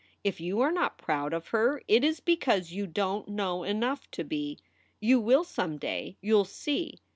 If you are not proud of her it is because you don t know enough to be. You will some day, you ll see.